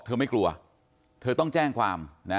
ไม่กลัวเธอต้องแจ้งความนะ